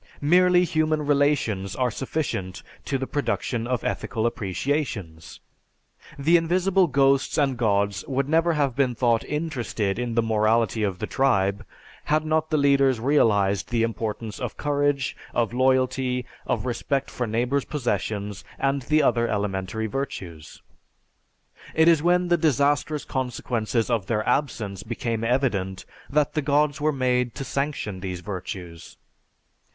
Merely human relations are sufficient to the production of ethical appreciations. The invisible ghosts and Gods would never have been thought interested in the morality of the tribe, had not the leaders realized the importance of courage, of loyalty, of respect for neighbors' possessions, and the other elementary virtues. It is when the disastrous consequences of their absence became evident that the Gods were made to sanction these virtues.